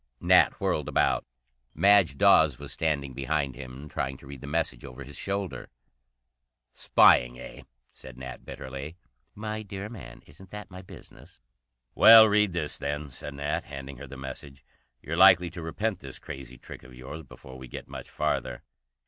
Nat whirled about. Madge Dawes was standing behind him, trying to read the message over his shoulder. "Spying, eh?" said Nat bitterly. "My dear man, isn't that my business?" "Well, read this, then," said Nat, handing her the message. "You're likely to repent this crazy trick of yours before we get much farther."